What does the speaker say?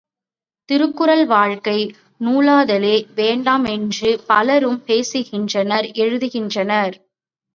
திருக்குறள் வாழ்க்கை நூலாதலே வேண்டாம் என்று பலரும் பேசுகின்றனர் எழுதுகின்றனர்.